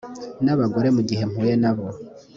n abagore mu gihe mpuye nabo